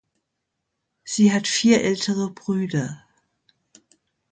Sie hat vier ältere Brüder.